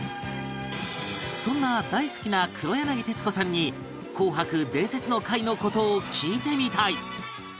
そんな大好きな黒柳徹子さんに『紅白』伝説の回の事を聞いてみたい